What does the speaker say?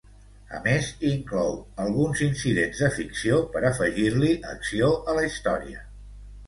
A més inclou alguns incidents de ficció per afegir-li acció a la història.